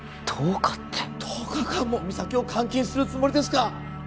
１０日って１０日間も実咲を監禁するつもりですか？